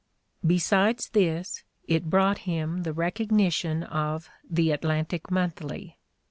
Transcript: Besides this, it brought him the recognition of The Atlantic Monthly.